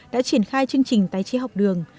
đã triển khai chương trình tái chế học đường